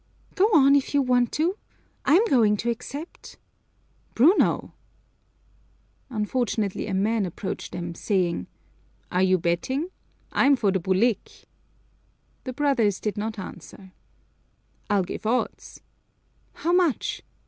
"Go on if you want to! I'm going to accept!" "Bruno!" Unfortunately, a man approached them, saying, "Are you betting? I'm for the bulik!" The brothers did not answer. "I'll give odds!" "How much?"